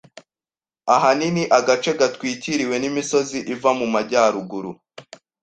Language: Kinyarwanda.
Ahanini agace gatwikiriwe n'imisozi iva mu majyaruguru